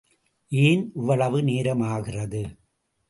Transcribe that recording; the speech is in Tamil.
ஏன் இவ்வளவு நேரமாகிறது?